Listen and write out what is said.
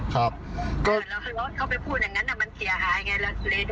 แล้วเขาไปพูดอย่างนั้นน่ะมันเสียหายไง